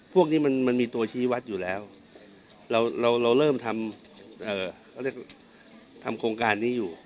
พวกนี้มันมีตัวชี้วัดอยู่แล้วเราเริ่มทำเขาเรียกทำโครงการนี้อยู่